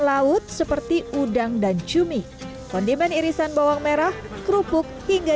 laut seperti udang dan cumi kondimen irisan bawang merah kerupuk hingga